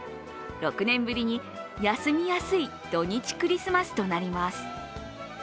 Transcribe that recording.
６年ぶりに休みやすい土日クリスマスとなります。